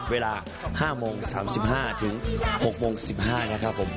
เวลา๕โมง๓๕ถึง๖โมง๑๕นะครับผม